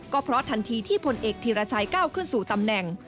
ก็เพราะทันทีที่ผลเอกธีรชัยก้าวขึ้นสู่ตำแหน่ง